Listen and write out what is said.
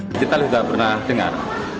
digital sudah pernah dengar